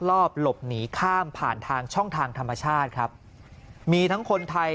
รอบหลบหนีข้ามผ่านทางช่องทางธรรมชาติครับมีทั้งคนไทย